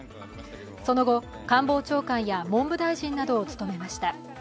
その後、官房長官や文部大臣などを務めました。